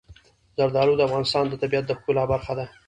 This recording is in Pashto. زردالو د افغانستان د طبیعت د ښکلا برخه ده.